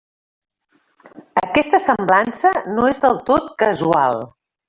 Aquesta semblança no és del tot casual.